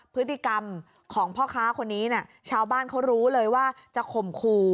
พฤติกรรมของพ่อค้าคนนี้ชาวบ้านเขารู้เลยว่าจะข่มขู่